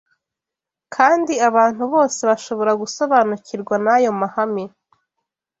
Kandi abantu bose bashobora gusobanukirwa n’ayo mahame